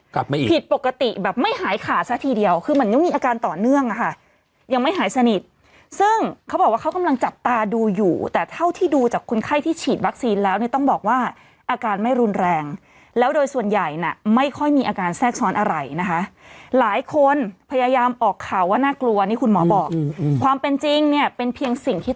ผิดปกติแบบไม่หายขาดซะทีเดียวคือเหมือนยังมีอาการต่อเนื่องอ่ะค่ะยังไม่หายสนิทซึ่งเขาบอกว่าเขากำลังจับตาดูอยู่แต่เท่าที่ดูจากคนไข้ที่ฉีดวัคซีนแล้วเนี่ยต้องบอกว่าอาการไม่รุนแรงแล้วโดยส่วนใหญ่น่ะไม่ค่อยมีอาการแทรกซ้อนอะไรนะคะหลายคนพยายามออกข่าวว่าน่ากลัวนี่คุณหมอบอกความเป็นจริงเนี่ยเป็นเพียงสิ่งที่